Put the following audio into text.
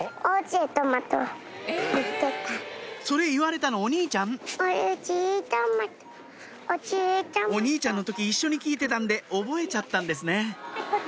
それ言われたのお兄ちゃんお兄ちゃんの時一緒に聞いてたんで覚えちゃったんですね